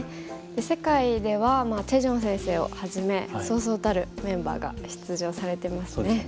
世界ではチェ・ジョン先生をはじめそうそうたるメンバーが出場されてますね。